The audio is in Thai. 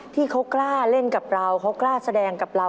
ที่เขากล้าเล่นกับเราเขากล้าแสดงกับเรา